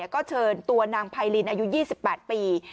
ก็เชิญตัวนางไพรินอายุ๒๘ปี